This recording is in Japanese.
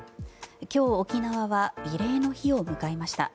今日、沖縄は慰霊の日を迎えました。